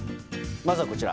まずはこちら。